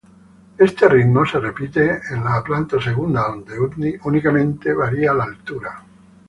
Este ritmo se repite en planta segunda, donde únicamente varía la altura.